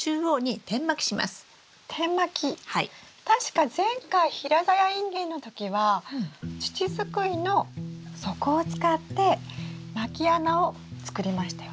確か前回平ざやインゲンの時は土すくいの底を使ってまき穴を作りましたよね。